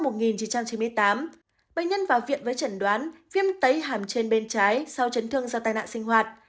bệnh nhân vào viện với trần đoán viêm tấy hàm trên bên trái sau chấn thương do tai nạn sinh hoạt